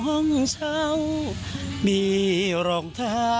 โอเคนี่เนอะ